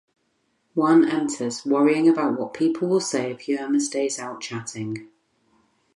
Juan enters, worrying about what people will say if Yerma stays out chatting.